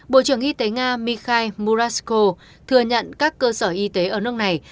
bộ trưởng y tế nga mikhail murashko thừa nhận các cơ sở y tế ở nước này